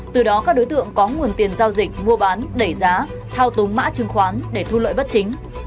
từ đó các đối tượng có nguồn tiền giao dịch mua bán đẩy giá thao túng mã chứng khoán để thu lợi bất chính